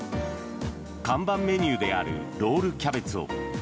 看板メニューであるロールキャベツを１